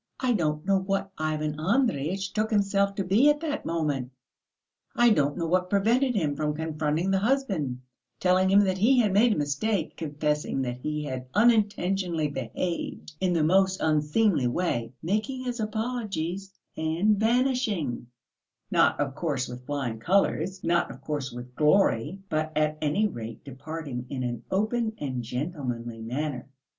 I don't know what Ivan Andreyitch took himself to be at that moment! I don't know what prevented him from confronting the husband, telling him that he had made a mistake, confessing that he had unintentionally behaved in the most unseemly way, making his apologies and vanishing not of course with flying colours, not of course with glory, but at any rate departing in an open and gentlemanly manner.